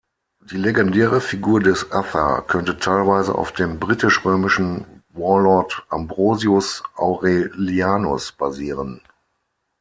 Die legendäre Figur des Uther könnte teilweise auf dem britisch-römischen "warlord" Ambrosius Aurelianus basieren.